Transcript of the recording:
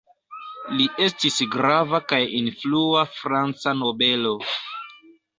Li estis grava kaj influa franca nobelo.